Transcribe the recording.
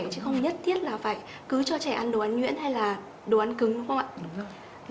chứ không nhất tiết là phải cứ cho trẻ ăn đồ ăn nhuyễn hay là đồ ăn cứng đúng không ạ